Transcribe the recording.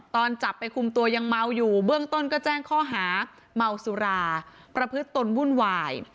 ตอนจับไปคุมตัวยังเมาอยู่เบื้องต้นก็แจ้งข้อหาเมาสุราประพฤติตนวุ่นวาย